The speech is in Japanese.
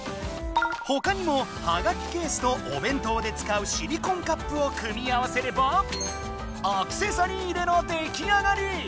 ほかにもハガキケースとおべん当で使うシリコンカップを組み合わせればアクセサリー入れの出来上がり！